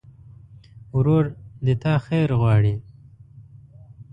ورور د تا خیر غواړي.